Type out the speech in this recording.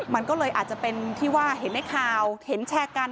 มันก็เลยอาจจะเป็นที่ว่าเห็นในข่าวเห็นแชร์กัน